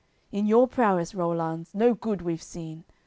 In your prowess, Rollanz, no good we've seen!